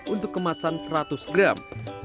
untuk kemasan seratus gram